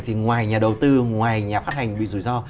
thì ngoài nhà đầu tư ngoài nhà phát hành bị rủi ro